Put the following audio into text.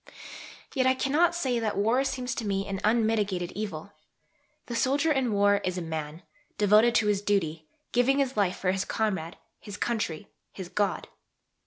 Yet I cannot say that war seems to me an unmitigated evil. The soldier in war is a man: devoted to his duty, giving his life for his comrade, his country, his God.